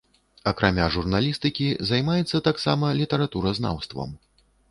Акрамя журналістыкі займаецца таксама літаратуразнаўствам.